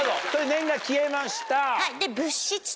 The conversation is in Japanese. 念が消えました。